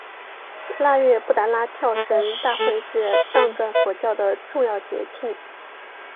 腊月布拉达跳神大会是藏传佛教的重要节庆。